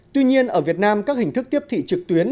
tuy nhiên ở việt nam các hình thức tiết tị trực tuyến